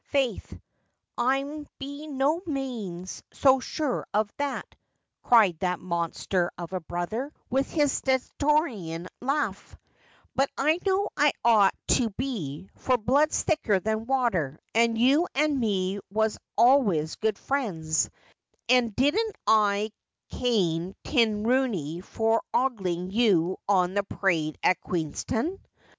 ' Faith, I'm be no manes so sure of that,' cried that monster of a brother, with his stentorian laugh, ' but I know I ought, to be, for blood's thicker than water, and you and me was always good friends ; and didn't I cane Tim Rooney for oglin' you on the parade at Queerastown